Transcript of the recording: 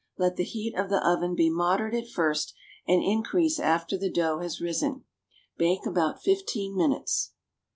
Let the heat of the oven be moderate at first, and increase after the dough has risen. Bake about fifteen minutes.